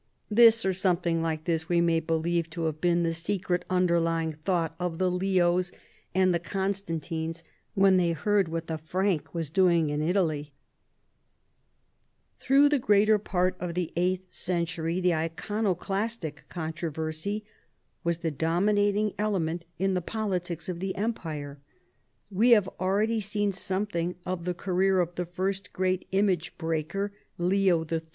This, or something like this, we may believe to have been the secret under lying thought of the Leos and the Constantines when they heard what the Frank was doing in Italy, Through the greater part of the eighth century the Iconoclastic controversy was the dominating element in the politics of the empire. We have already seen something of the career of the first great image breaker, Leo III.